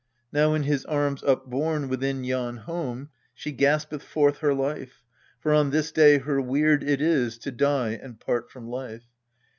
Now in his arms upborne within yon home She gaspeth forth her life : for on this day Her weird it is to die and part from life.